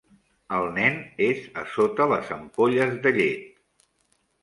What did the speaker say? El nen és a sota les ampolles de llet.